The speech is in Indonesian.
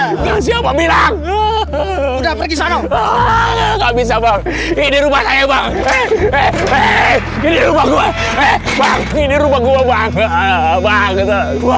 nggak siapa bilang udah pergi sama nggak bisa banget ini rumah saya banget banget banget banget